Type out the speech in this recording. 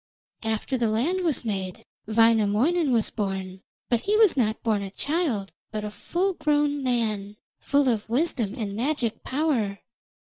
After the land was made Wainamoinen was born, but he was not born a child, but a full grown man, full of wisdom and magic power.